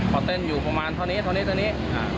พอเต้นอยู่ประมาณเท่านี้เท่านี้เท่านี้